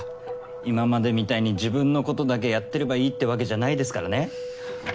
今までみたいに自分のことだけやってればいいってわけじゃないですからね。